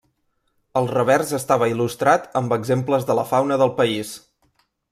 El revers estava il·lustrat amb exemples de la fauna del país.